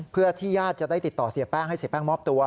เพื่อที่ญาติจะได้ติดต่อเสียแป้งให้เสียแป้งมอบตัว